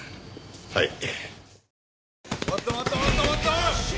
はい。